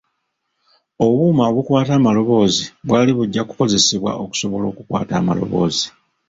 Obuuma obukwata amaloboozi bwali bujja kukozesebwa okusobola okukwata amaloboozi.